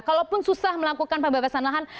kalaupun susah melakukan pembebasan lahan